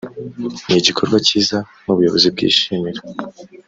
ni igikorwa cyiza n’ubuyobozi bwishimira